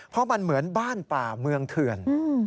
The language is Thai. เพราะมันเหมือนบ้านป่าเมืองเถื่อน